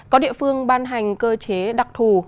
có địa phương ban hành cơ chế đặc thù